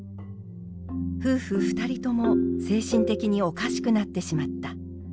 「夫婦二人とも精神的におかしくなってしまった」。